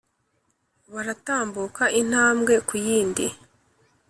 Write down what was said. Baratambuka intambwe ku yindi